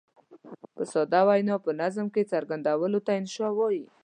په ساده وینا په نظم کې څرګندولو ته انشأ وايي.